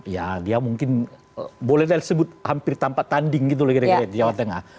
ya dia mungkin boleh disebut hampir tanpa tanding gitu lah kira kira di jawa tengah